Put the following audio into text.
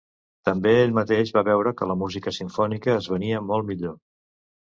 També ell mateix va veure que la música simfònica es venia molt millor.